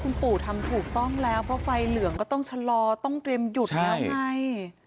คุณปู่ทำถูกต้องแล้วเพราะไฟเหลืองก็ต้องชะลอต้องเตรียมหยุดแล้วไง